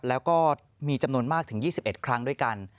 แล้วก็มีจำนวนมากถึง๒๑ครั้งด้วยกัน